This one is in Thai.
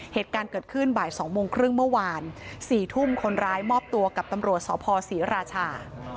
เหตุการณ์เกิดขึ้นบ่าย๒โมงครึ่งเมื่อวาน๔ทุ่มคนร้ายมอบตัวกับตำรวจสพศรีราชา